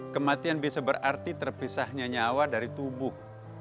kematian bisa berarti terpisahnya nyawa dari tubuh